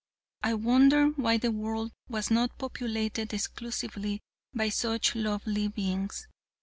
I wondered why the world was not populated exclusively by such lovely beings.